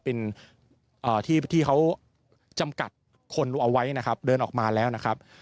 เป็นที่เขาจำกัดคนเอาไว้นะครับเดินออกมาแล้วนะครับ